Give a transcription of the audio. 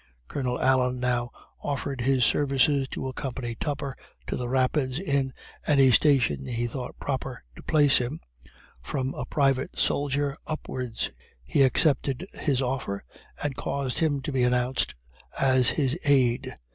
Colonel Allen now offered his services to accompany Tupper to the Rapids in any station he thought proper to place him, from a private soldier upwards. He accepted his offer, and caused him to be announced as his aid.